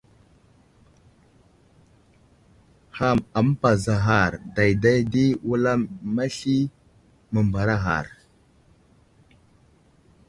Ham amapazaghar dayday di wulam masli məmbaraghar.